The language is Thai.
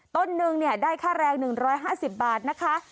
ต้นนึงเนี้ยได้ค่าแรงหนึ่งร้อยห้าสิบบาทนะคะ